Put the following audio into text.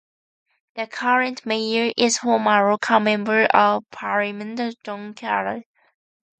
The current mayor is former local Member of Parliament John Carter.